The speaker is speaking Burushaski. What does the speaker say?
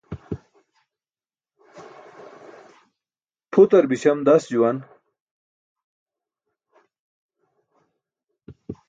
Pʰutar biśam das juwan.